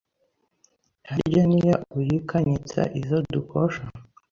Harya nia uyika nyitsa izo dukosha